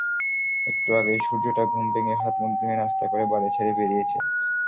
একটু আগেই সূর্যটা ঘুম ভেঙে হাত-মুখ ধুয়ে নাশতা করে বাড়ি ছেড়ে বেরিয়েছে।